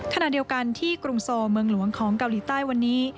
ขณะเดียวกันที่กรุงโซเมืองหลวงของเกาหลีใต้วันนี้